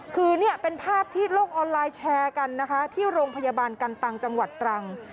คือเนี่ยเป็นภาพที่โลกออนไลน์แชร์กันนะคะที่โรงพยาบาลกันตังจังหวัดตรัง